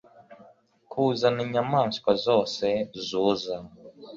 kuzana inyamaswa zose zuza